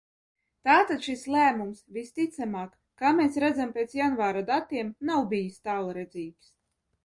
Tātad šis lēmums, visticamāk, kā mēs redzam pēc janvāra datiem, nav bijis tālredzīgs.